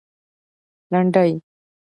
لنډۍ